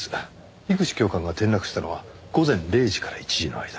樋口教官が転落したのは午前０時から１時の間。